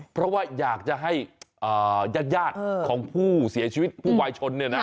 เพราะว่าอยากจะให้ญาติของผู้เสียชีวิตผู้วายชน